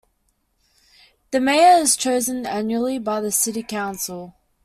The mayor is chosen annually by the city council.